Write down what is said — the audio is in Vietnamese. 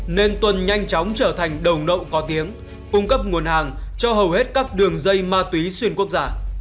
nên tuần nhanh chóng trở thành đồng nộ có tiếng cung cấp nguồn hàng cho hầu hết các đường dây ma túy xuyên quốc giả